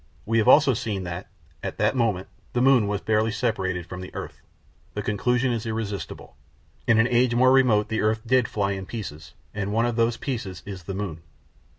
We have also seen that, at that moment, the moon was barely separated from the earth. The conclusion is irresistible. In an age more remote the earth did fly in pieces, and one of those pieces is the moon.